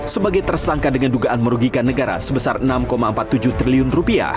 sebagai tersangka dengan dugaan merugikan negara sebesar rp enam empat puluh tujuh triliun